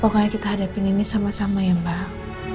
pokoknya kita hadapin ini sama sama ya mbak